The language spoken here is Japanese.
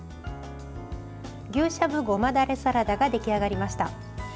牛しゃぶごまだれサラダが出来上がりました。